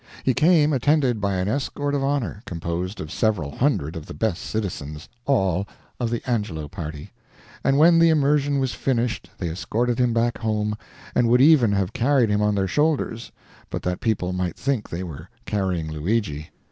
He came attended by an escort of honor composed of several hundred of the best citizens, all of the Angelo party; and when the immersion was finished they escorted him back home and would even have carried him on their shoulders, but that people might think they were carrying Luigi.